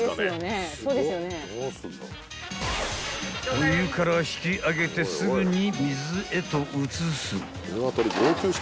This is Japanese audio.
［お湯から引きあげてすぐに水へと移す］